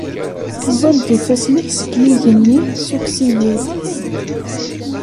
Ẓẓel-d ifassen-ik seg yigenni, ssukkes-iyi-d!